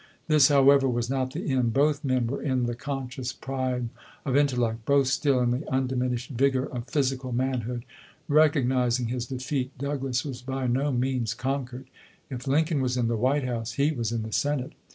This, however, was not the end. Both men were in the conscious prime of intellect ; both still in the undiminished vigor of physical manhood. Recog nizing his defeat, Douglas was by no means con quered. If Lincoln was in the White House, he was in the Senate.